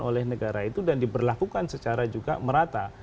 oleh negara itu dan diberlakukan secara juga merata